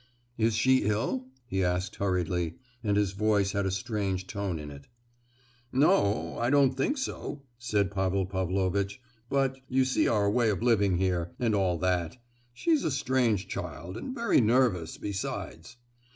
"Is she ill?" he asked hurriedly, and his voice had a strange tone in it. "No! I don't think so" said Pavel Pavlovitch; "but, you see our way of living here, and all that: she's a strange child and very nervous, besides!